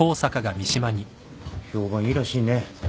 評判いいらしいね。